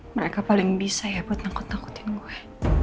mereka paling bisa ya buat nangkut nangkutin gue